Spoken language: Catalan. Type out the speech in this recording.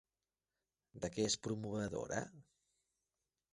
De què és promovedora?